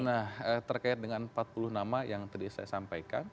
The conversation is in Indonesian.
nah terkait dengan empat puluh nama yang tadi saya sampaikan